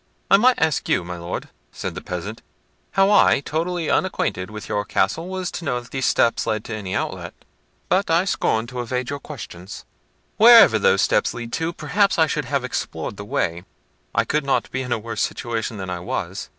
"I might ask you, my Lord," said the peasant, "how I, totally unacquainted with your castle, was to know that those steps led to any outlet? but I scorn to evade your questions. Wherever those steps lead to, perhaps I should have explored the way—I could not be in a worse situation than I was.